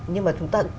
nhưng mà chúng ta